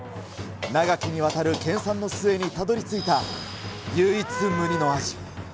長きにわたる研さんの末にたどりついた、唯一無二の味。